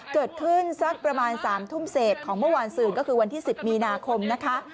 เกิดขึ้นสักประมาณสามทุ่มเศษของเมื่อวานสื่นก็คือวันที่สิบมีนาคมนะคะ